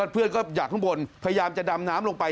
เพื่อนก็อยากข้างบนพยายามจะดำน้ำลงไป